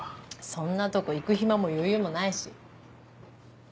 そんなとこ行く暇も余裕もないし。